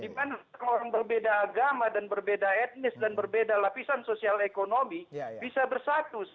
dimana kalau berbeda agama dan berbeda etnis dan berbeda lapisan sosial ekonomi bisa bersatu